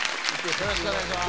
よろしくお願いします。